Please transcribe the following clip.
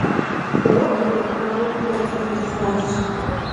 Vue ptêuxaue kued zexesxaş.